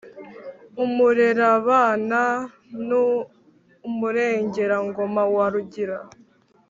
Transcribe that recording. umurerabana n' umurengerangoma wa rugira,